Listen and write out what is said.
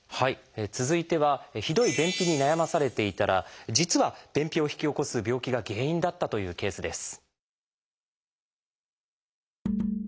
続いてはひどい便秘に悩まされていたら実は便秘を引き起こす病気が原因だったというケースです。